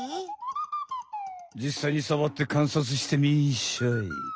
じっさいにさわってかんさつしてみんしゃい！